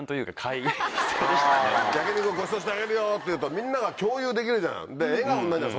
「焼き肉ごちそうしてあげるよ」っていうとみんなが共有できるじゃん笑顔になるじゃん